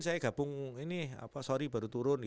saya gabung ini sorry baru turun